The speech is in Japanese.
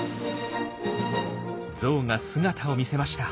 ゾウが姿を見せました。